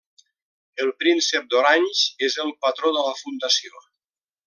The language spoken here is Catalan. El Príncep d'Orange és el Patró de la Fundació.